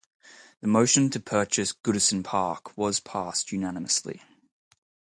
The motion to purchase Goodison Park was passed unanimously.